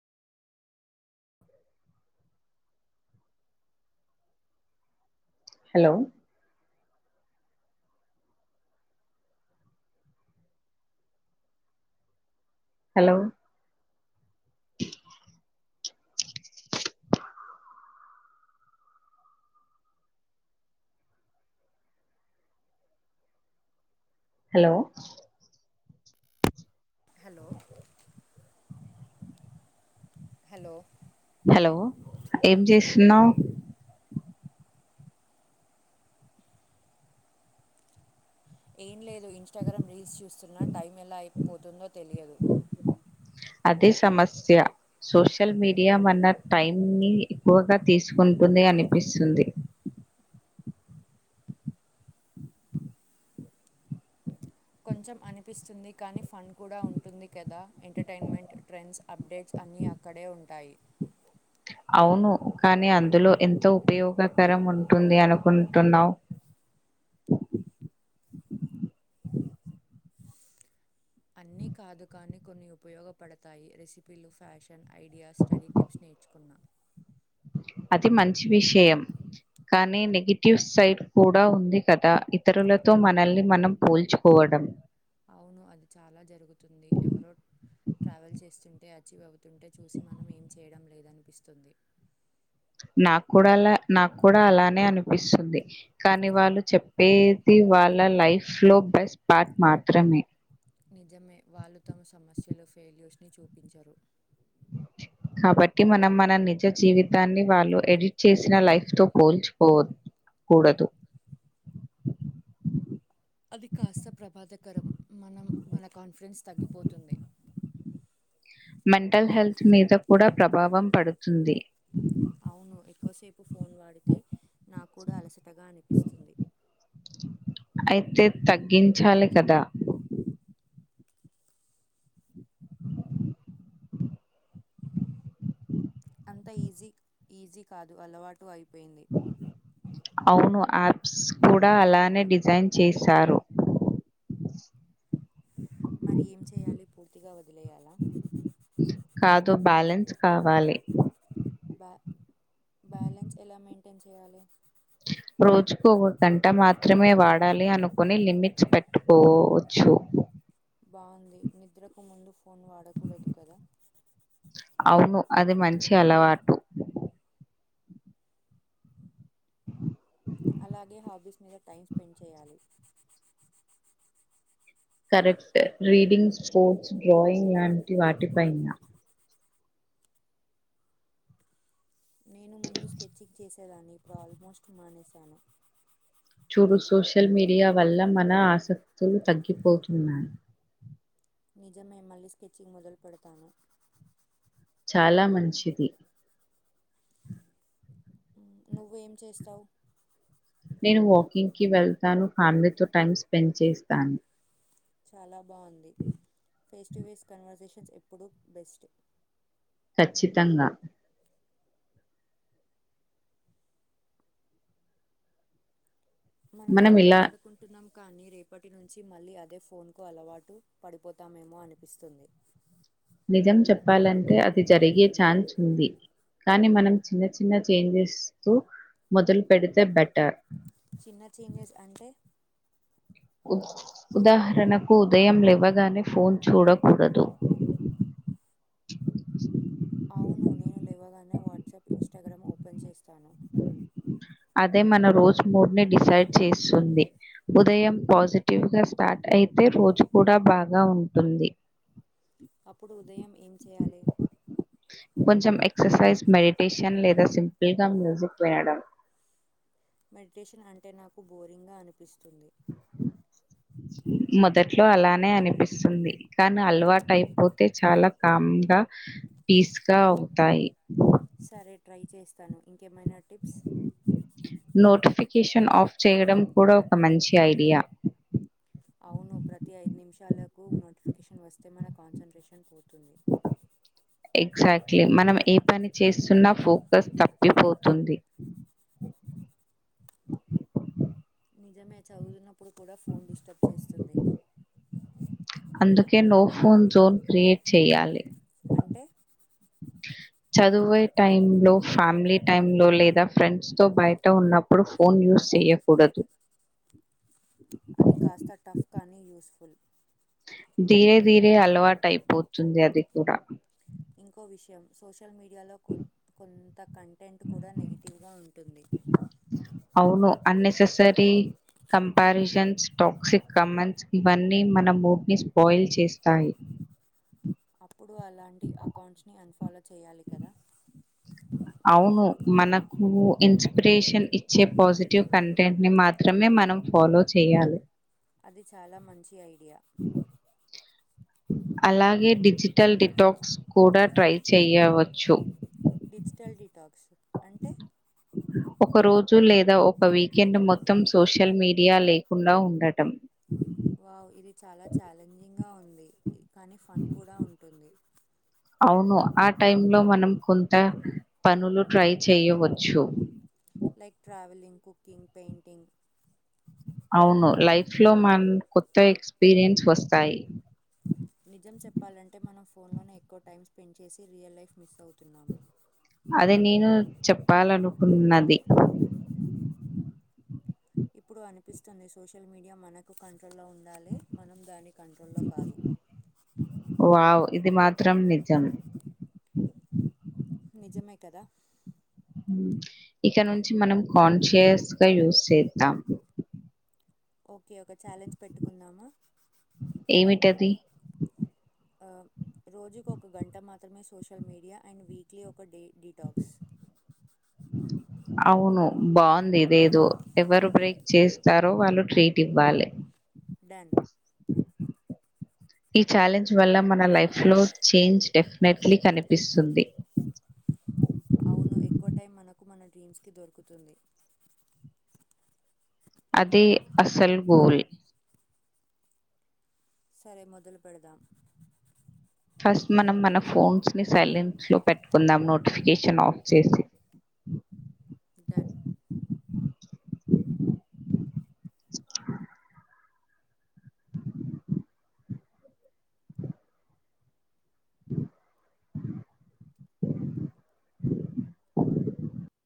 Hello hello hello hello hello hello ఏం చేస్తున్నావు ఏం లేదు ఇన్స్టాగ్రామ్ రీల్స్ చూస్తున్నా టైం ఎలా అయిపోతుందో తెలియదు అదే సమస్య సోషల్ మీడియా మన టైం ని ఎక్కువగా తీసుకుంటుంది దె అనిపిస్తుంది కొంచెం అనిపిస్తుంది కానీ ఫన్ కూడా ఉంటుంది కదా ఎంటర్టైన్మెంట్ ట్రెండ్స్ అప్డేట్స్ అన్నీ అక్కడే ఉంటాయి అవును కానీ అందులో ఎంత ఉపయోగకరం ఉంటుంది అనుకుంటున్నావు అన్ని కాదు కానీ కొన్ని ఉపయోగపడతాయి రెసిపీలు ఫ్యాషన్ ఐడియాస్ స్టడీ టిప్స్ నే చ్చుకున్నా అది మంచి విషయం కానీ నెగిటివ్ సైడ్ కూడా ఉంది కదా ఇతరులతో మనల్ని మనం పోల్చుకోవ వడం అవును అది చాలా జరుగుతుంది ఎవరో ట్రావెల్ చేస్తుంటే అచీవ్ అవుతుంటే చూసి మనం ఏం చేయడం లేదనిపిస్తుంది నాకూడా అలా నాకు కూడా అలానే అనిపిస్తుంది కానీ వాళ్ళు చెప్పేది వాళ్ళ లైఫ్ లో బెస్ట్ పార్ట్ మాత్రమే నిజమే వాళ్ళు తమ సమస్యలు ఫెయిల్యూర్స్ ని చూపించరు కాబట్టి మనం మన నిజ జీవితాన్ని వాళ్ళు ఎడిట్ చేసిన లైఫ్ తో పోల్చుకోవ కూడదు అది కాస్త ప్రమాదకరం మనం మన కాన్ఫిడెన్స్ తగ్గిపోతుంది మెంటల్ హెల్త్ మీద కూడా ప్రభావం పడుతుంది అవును ఎక్కువసేపు ఫోన్ వాడితే నా కూడా అలసటగా అనిపిస్తుంది అయితే తగ్గించాలి కదా అంత ఈజీ ఈజీ కాదు అలవాటు అయిపోయింది అవును యాప్స్ కూడా అలానే డిజైన్ చేశారు మరి ఏం చేయాలి పూర్తిగా వదిలేయాలా కాదు బ్యాలెన్స్ కావాలి బ్యా బ్యాలెన్స్ ఎలా మెయింటైన్ చేయాలి రోజుకు ఒక గంట మాత్రమే వాడాలి అనుకుని లిమిట్స్ పెట్టుకోవచ్చు బాగుంది నిద్రకు ముందు ఫోన్ వాడకూడదు కదా అవును అది మంచి అలవాటు అలాగే హాబీస్ మీద టైం స్పెండ్ చేయాలి కరెక్ట్ రీడింగ్ స్పోర్ట్స్ డ్రాయింగ్ లాంటి వాటిపైనా నేను ముందు స్కెచింగ్ చేసేదాన్ని ఇప్పుడు ఆల్మోస్ట్ మానేశాను ఇప్పుడు సోషల్ మీడియా వల్ల మన ఆసక్తులు తగ్గిపోతున్నాయి నిజమే మళ్ళీ స్కెచింగ్ మొదలు పెడతాను చాలా మంచిది నువ్వేం చేస్తావ్ నేను వాకింగ్కిి వెళ్తాను ఫ్యామిలీతో టైం స్పెండ్ చేస్తాను చాలా బాగుంది ఫేస్ టు ఫేస్ కన్వర్సేషన్స్ ఎప్పుడూ బెస్ట్ ఖచ్చితంగా మనం ఇలా మాట్లాడుకుంటున్నాం కానీ రేపటి నుంచి మళ్ళీ అదే ఫోన్ కు అలవాటు పడిపోతామేమో అనిపిస్తుంది నిజం చెప్పాలంటే అది జరిగే ఛాన్స్ ఉంది కానీ మనం చిన్న చిన్న చేంజెస్ తు మొదలు పెడితే బెటర్ చిన్న చేంజెస్ అంటే ఉద్ ఉదాహరణకు ఉదయం లెవ్వగానే ఫోన్ చూడకూడదు అవును నేను లేవగానే వాట్సాప్ ఇన్స్టాగ్రామ్ ఓపెన్ చేస్తాను అదే మన రోజు మూడు ని డిసైడ్ చేస్తుంది ఉదయం పాజిటివ్ గా స్టార్ట్ అయితే రోజు కూడా బాగా ఉంటుంది అప్పుడు ఉదయం ఏం చేయా కొంచెం ఎక్ససైజ్ మెడిటేషన్ లే దా సింపుల్ గా మ్యూజిక్ వినడం మెడిటేషన్ అంటే నాకు బోరింగ్ గా అనిపిస్తుంది మొదట్లో అలానే అనిపిస్తుంది కానీ అలవాటు అయిపోతే చాలా కామ్ గా పీస్ గా అవుతాయి సరే ట్రై చేస్తాను ఇంకేమైనా టిప్స్ కీషన్ ఆఫ్ చేయడం కూడా ఒక మంచి ఐడియా అవును ప్రతి ఐదు నిమిషాలకు నోటిఫికేషన్ వస్తే మన కాన్సంట్రేషన్ పోతుంది ఎక్ ఎగ్సాక్ట్లీ మనం ఏ పని చేస్తున్నా ఫోకస్ తప్పిపోతుంది నిజమే చదువున్నప్పుడు కూడా ఫోన్ డిస్టర్బ్ చేస్తుంది అందుకే నో ఫోన్ జోన్ క్రియేట్ చెయాలి అంటే చదువే టైం లో ఫ్యామిలీ టైం లో లేదా ఫ్రెండ్స్ తో బయట ఉన్నప్పుడు ఫోన్ యూస్ చెయ్యకూడదు అది కాస్త టఫ్ కానీ యూస్ ఫుల్ దీరే దీరే అలవాటు అయిపోతుంది అది కూడా ఇంకో విషయం సోషల్ సోషల్ మీడియాలో కొ కొంత కంటెంట్ కూడా నెగిటివ్గా ఉంటుంది అవును అన్నెసెసరీ కంపారిజన్స్ టాక్సిక్ కమన్స్ ఇవన్నీ మన మూడ్ని స్పాయిల్ చేస్తాయి అప్పుడు అలాంటి అకౌంట్స్ని అన్ఫాలో చేయాలి కదా చె అవును మనకు ఇన్స్పిరేషన్ ఇచ్చే పాజిటివ్ కంటెంట్ ని మాత్రమే మనం ఫాలో చేయాలి అది చాలా మంచి ఐడియా అలాగే డిజిటల్ డిటాక్స్ కూడా ట్రై చేయవచ్చు డిజిటల్ డిటాక్స్ అంటే ఒక రోజు లేదా ఒక వీకెండ్ మొత్తం సోషల్ మీడియా లేకుండా ఉండటం వావ్ ఇది చాలా ఛాలెంజింగ్ గా ఉంది కానీ ఫన్ కూడా ఉంటుంది అవును ఆ టై లో మనం కొంత పనులు ట్రై చేయవచ్చు లేైక్ ట్రావలింగ్ కుకింగ్ పెయింటింగ్ అవును లైఫ్ లో మ కొత్త ఎక్స్పీరియన్స్ వస్తాయి నిజం చెప్పాలంటే మనం ఫోన్లోనే ఎక్కువ టైం స్పెండ్ చేసి రియల్ లైఫ్ మిస్ అవుతున్నాము అది నేను చెప్పాలనుకున్నది ఇప్పుడు అనిపిస్తుంది సోషల్ మీడియా మనకు కంట్రోల్లో ఉండాలి మనం దాని కంట్రోల్లో కాదు వావ్! ఇది మాత్రం నిజం నిజమే కదా ఇక్క నుంచి మనం కాన్షియస్ గా యూస్ చేద్దాం ఓకే ఒక ఛాలెంజ్ పెట్టుకుందామా ఏమిట్టది రోజుకు ఒక గంట మాత్రమే సోషల్ మీడియా అండ్ వీక్లీ ఒక డే డిటాక్స్ అవును బాగుందిదేదో ఎవరు బ్రేక్ చేస్తారో వాళ్ళు ట్రీట్ ఇవ్వాలి డన్ ఈ ఛాలెంజ్ వల్ల మన లైఫ్ లో చేంజ్ డెఫినెట్లీ కనిపిస్తుంది అవును ఎక్కువ టైం మనకు మన డ్రీమ్స్ కి దొరుకుతుంది అదే అసల్ గోల్ సరే మొదలు పెడదాం ఫస్ట్ మనం మన ఫోన్స్ ని సైలెన్స్ లో పెట్టుకుందాం నోటిఫికేషన్ ఆఫ్ చేసి డన్